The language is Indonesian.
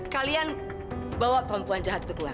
kalian bawa perempuan jahat itu keluar